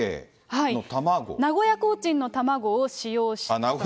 名古屋コーチンの卵を使用した。